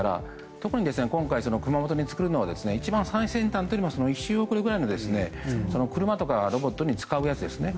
特に今回、熊本に作るのは一番最先端というよりも一周遅れぐらいの車とかロボットに使うやつですね。